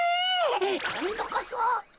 こんどこそ。